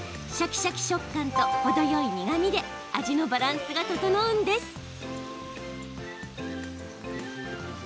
シャキシャキ食感と程よい苦みで味のバランスがととのうんです。